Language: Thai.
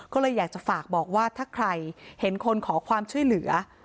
ก็เลยอยากจะฝากบอกว่าถ้าใครเห็นคนขอความช่วยเหลือ